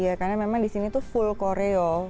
ya karena memang disini tuh full koreo